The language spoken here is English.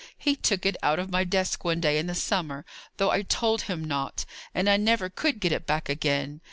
"He took it out of my desk one day in the summer, though I told him not, and I never could get it back again.